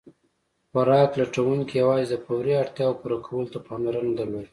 خوراک لټونکي یواځې د فوري اړتیاوو پوره کولو ته پاملرنه درلوده.